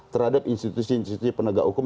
terhadap institusi institusi penegak hukum